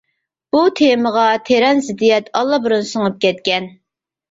بۇ تېمىغا تېرەن زىددىيەت ئاللىبۇرۇن سىڭىپ كەتكەن.